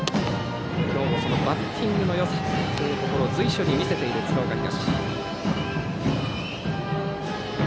今日もそのバッティングのよさというところを随所に見せている鶴岡東。